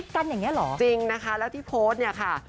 จริงนะคะแล้วที่โพสต์เนี่ยค่ะ